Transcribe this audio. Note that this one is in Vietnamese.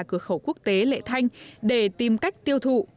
cửa khẩu quốc tế lệ thanh để tìm cách tiêu thụ